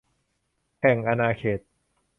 แห่งอาณาเขต